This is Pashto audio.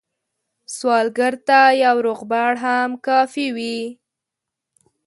سوالګر ته یو روغبړ هم کافي وي